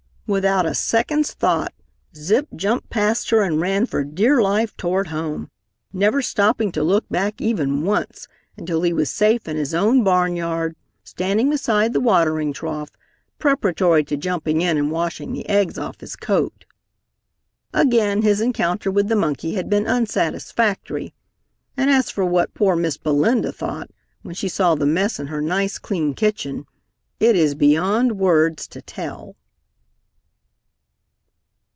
Without a second's thought Zip jumped past her and ran for dear life toward home, never stopping to look back even once until he was safe in his own barnyard, standing beside the watering trough preparatory to jumping in and washing the eggs off his coat. Again his encounter with the monkey had been unsatisfactory, and as for what poor Miss Belinda thought when she saw the mess in her nice clean kitchen it is beyond words to tell.